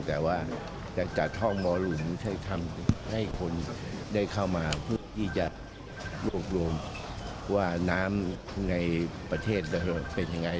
แต่ว่าจะจัดห้องหมอหลุมให้ทำให้คนได้เข้ามาเพื่อที่จะรวบรวมว่าน้ำในประเทศเราเป็นยังไง